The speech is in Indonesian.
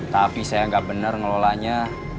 tapi saya tidak benar mengelolanya